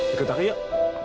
deket aku yuk